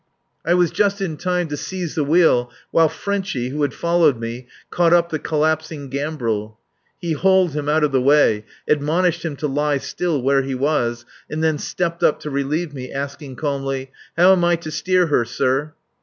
I was just in time to seize the wheel while Frenchy who had followed me caught up the collapsing Gambril. He hauled him out of the way, admonished him to lie still where he was, and then stepped up to relieve me, asking calmly: "How am I to steer her, sir?"